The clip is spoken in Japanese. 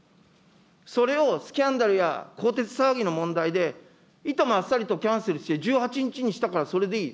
それをスキャンダルや、更迭騒ぎの問題で、いともあっさりキャンセルして、１８日にしたからそれでいい。